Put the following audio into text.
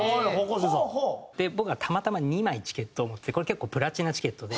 で僕はたまたま２枚チケットを持ってこれ結構プラチナチケットで。